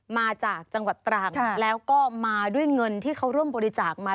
มาจากจังหวัดตรังแล้วก็มาด้วยเงินที่เขาร่วมบริจาคมา